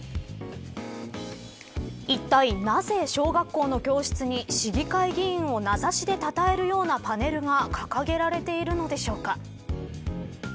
いったいなぜ、小学校の教室に市議会議員を名指しでたたえるようなパネルがかかげられているのでしょうか。